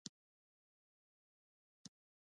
ډاکټر صېب دانستهزيا او پين ريليف ميډيسن سپيشلسټ دے ۔